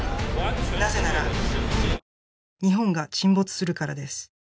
なぜなら日本が沈没するからです